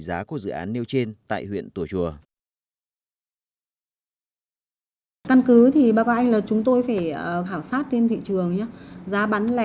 giá của dự án nêu trên tại huyện tùa chùa